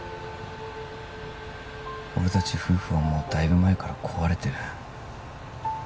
俺達夫婦はもうだいぶ前から壊れてる